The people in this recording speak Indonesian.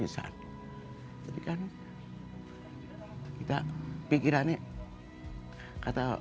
jadi kan kita pikirannya